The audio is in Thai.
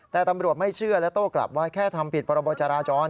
แต่ตำรวจไม่เชื่อและโต้กลับว่าแค่ทำผิดพรบจราจร